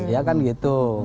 ya kan gitu